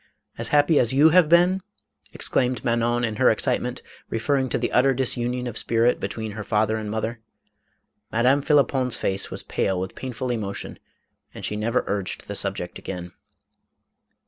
"As happy as you have been," exclaimed Manon in her ex citement, referring to the utter disunion of spirit be tween her father and mother. Madame Phlippon's face was pale with painful emotion, and she never urged the subject again.